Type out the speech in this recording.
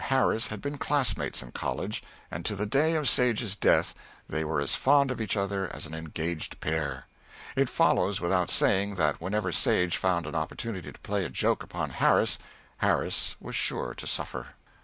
Harris had been classmates in college, and to the day of Sage's death they were as fond of each other as an engaged pair. It follows, without saying, that whenever Sage found an opportunity to play a joke upon Harris, Harris was sure to suffer.